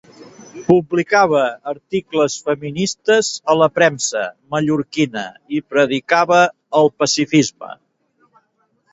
Publicava articles feministes a la premsa mallorquina i predicava el pacifisme.